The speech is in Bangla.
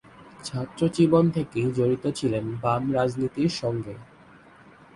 ছাত্রজীবন থেকেই জড়িত ছিলেন বাম রাজনীতির সঙ্গে।